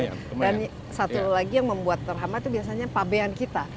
dan satu lagi yang membuat terhambat itu biasanya pabean kita